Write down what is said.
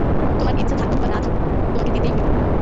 তোমার ইচ্ছা থাকুক বা না থাকুক, তোমাকে দিতেই হইবে।